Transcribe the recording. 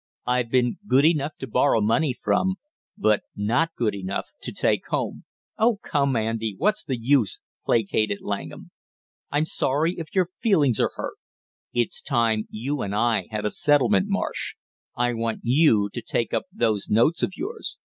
I've been good enough to borrow money from, but not good enough to take home " "Oh, come, Andy, what's the use," placated Langham. "I'm sorry if your feelings are hurt." "It's time you and I had a settlement, Marsh. I want you to take up those notes of yours."